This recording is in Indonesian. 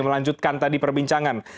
melanjutkan tadi perbincangan